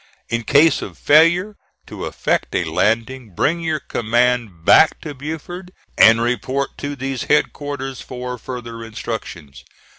"In case of failure to effect a landing, bring your command back to Beaufort, and report to these headquarters for further instructions.